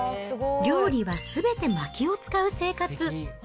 料理はすべてまきを使う生活。